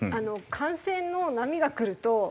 感染の波が来ると。